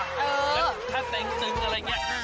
ว่าหนึ่งถ้าตึงอะไรเนี่ย